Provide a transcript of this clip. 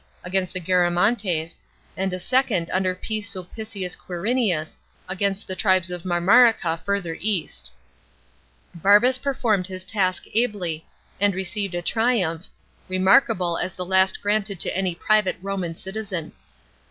against the Garamantes, and a second under P. Sulpicius Quiriiiiutf, against the tribes of Marmarica further east. Balbus performed his task ably, and received a triumph, remarkable as the la>t granted to any private Homan citizen.